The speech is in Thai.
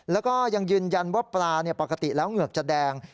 แล้วก็ยังยืนยันว่าปลาปกติแล้วเหงือกจะแดง